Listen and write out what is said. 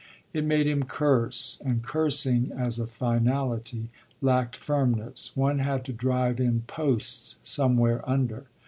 It made him curse, and cursing, as a finality, lacked firmness one had to drive in posts somewhere under.